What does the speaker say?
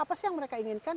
apa sih yang mereka inginkan